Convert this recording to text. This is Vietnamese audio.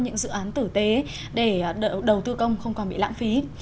những dự án tử tế để đầu tư công không còn bị lãng phí